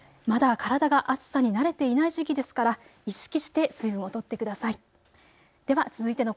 まだ体が暑さになれていない時期ですから意識して水分をとってください。